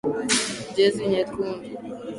Jezi nyekundu.